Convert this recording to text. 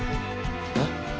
えっ？